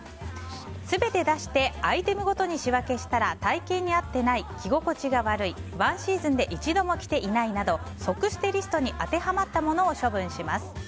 全て出してアイテムごとに仕分けしたら体形に合っていない着心地が悪い１シーズンで一度も着ていないなど即捨てリストに当てはまったものを処分します。